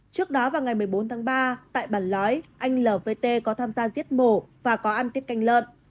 trước đó vào ngày một mươi bốn tháng ba tại bản lói anh lvt có tham gia giết mổ và có ăn tiếp canh lợn